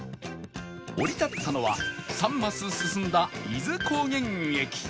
降り立ったのは３マス進んだ伊豆高原駅